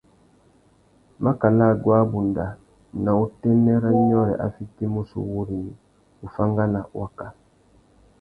Makana aguá abunda, ná utênê râ nyôrê a fitimú sú wúrrini, uffangana; waka.